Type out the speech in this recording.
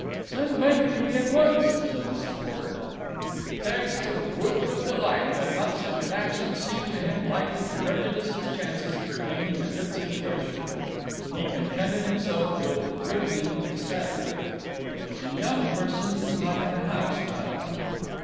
"Send Mamie to me at once," said Mrs. Porter. Keggs could have whooped with delight had not such an action seemed to him likely to prejudice his chances of retaining a good situation. He contented himself with wriggling ecstatically. "The young person is not in the house, madam."